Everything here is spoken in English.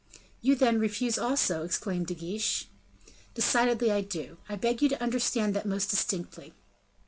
"You, then, refuse also?" exclaimed De Guiche. "Decidedly I do; I beg you to understand that most distinctly."